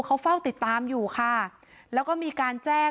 เขาเฝ้าติดตามอยู่ค่ะแล้วก็มีการแจ้ง